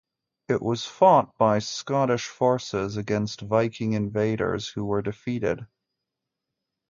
It was fought by Scottish forces against Viking invaders who were defeated.